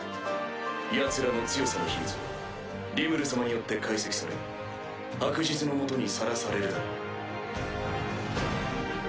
ヤツらの強さの秘密はリムル様によって解析され白日の下にさらされるだろう。